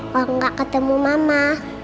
kalau gak ketemu mama